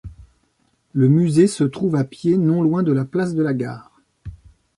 Le musée se trouve à pied non loin de la place de la Gare.